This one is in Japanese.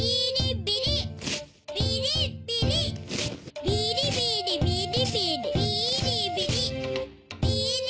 ビリビリビリビリビーリビリ。